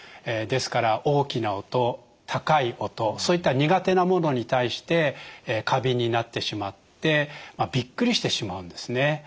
ですから大きな音高い音そういった苦手なものに対して過敏になってしまってびっくりしてしまうんですね。